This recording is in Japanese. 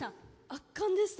圧巻でした。